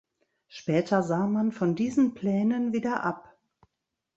Später sah man von diesen Plänen wieder ab.